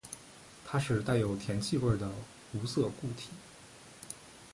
它是带有甜气味的无色固体。